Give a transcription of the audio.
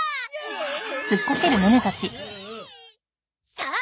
さあ！